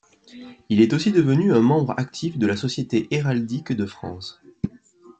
Il est aussi devenu un membre actif de la Société héraldique de France.